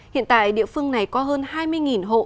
hiện tại địa phương này có hơn hai mươi hộ